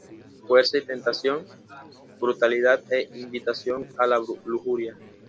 Fuerza y tentación, brutalidad e invitación a la lujuria.